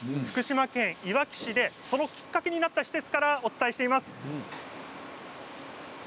福島県いわき市でそのきっかけとなった施設からお伝えしています。